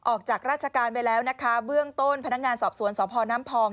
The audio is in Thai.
ออกจากราชการไปแล้วนะคะเบื้องต้นพนักงานสอบสวนสพน้ำพอง